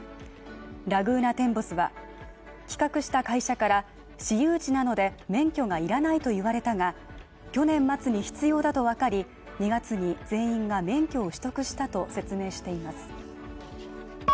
ラグーナテンボスは企画した会社から私有地なので免許がいらないと言われたが、去年末に必要だと分かり、２月に全員が免許を取得したと説明しています。